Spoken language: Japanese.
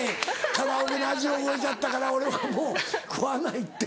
唐揚げの味を覚えちゃったから俺はもう食わないって。